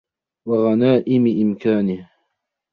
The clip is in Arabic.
وَغَنَائِمِ إمْكَانِهِ